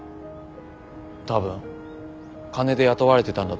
多分金で雇われてたんだと思う。